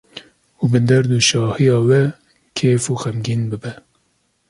û bi derd û şahiya we kêf û xemgîn bibe.